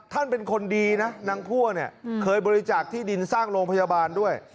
ท่านเป็นคนดีนะนางพั่วเนี่ยเคยบริจาคที่ดินสร้างโรงพยาบาลด้วย